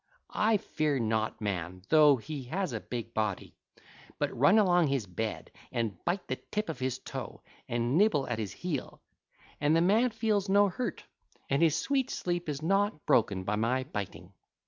I fear not man though he has a big body, but run along his bed and bite the tip of his toe and nibble at his heel; and the man feels no hurt and his sweet sleep is not broken by my biting.